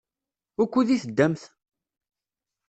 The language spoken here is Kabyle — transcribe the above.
Wukud i teddamt?